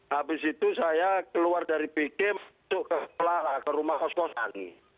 habis itu saya keluar dari pk ke rumah kos kosan